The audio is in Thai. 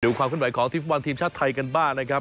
ความขึ้นไหวของทีมฟุตบอลทีมชาติไทยกันบ้างนะครับ